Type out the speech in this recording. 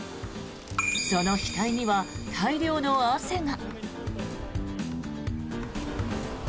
その額には大量の汗が。